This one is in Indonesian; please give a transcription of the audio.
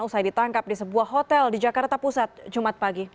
usai ditangkap di sebuah hotel di jakarta pusat jumat pagi